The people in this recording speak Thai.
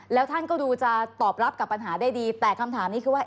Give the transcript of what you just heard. แล้วท่านก็ดูจะตอบรับกับปัญหาได้ดีแต่คำถามนี้คือว่า